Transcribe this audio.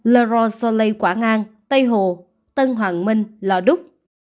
le roi soleil quảng an tây hồ tân hoàng minh lò đúc